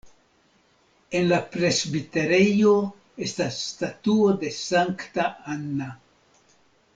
En la presbiterejo estas statuo de Sankta Anna.